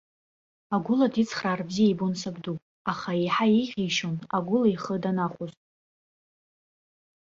Агәыла дицхраар бзиа ибон сабду, аха иаҳа еиӷьишьон агәыла ихы данахәоз.